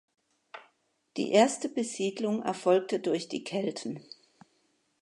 Die erste Besiedlung erfolgte durch die Kelten.